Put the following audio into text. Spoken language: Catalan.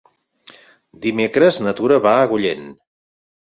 Dimecres na Tura va a Agullent.